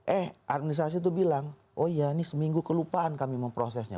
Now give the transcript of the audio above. eh administrasi itu bilang oh iya ini seminggu kelupaan kami memprosesnya